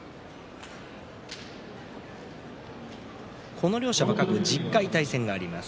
この両者は過去１０回対戦があります。